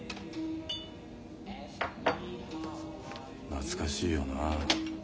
懐かしいよなあ。